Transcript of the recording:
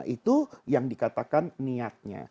itu yang dikatakan niatnya